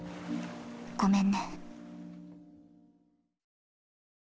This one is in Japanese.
ごめんね。